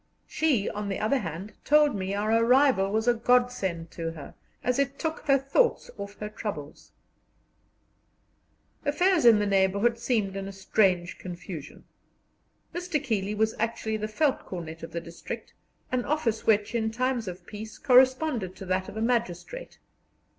She, on the other hand, told me our arrival was a godsend to her, as it took her thoughts off her troubles. Affairs in the neighbourhood seemed in a strange confusion. Mr. Keeley was actually the Veldtcornet of the district, an office which in times of peace corresponded to that of a magistrate.